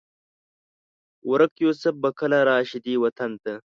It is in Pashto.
ورک یوسف به کله؟ راشي دې وطن ته